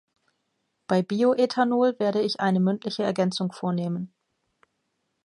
Bei Bioäthanol werde ich eine mündliche Ergänzung vornehmen.